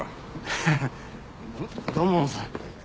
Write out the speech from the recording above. ハハハ土門さん。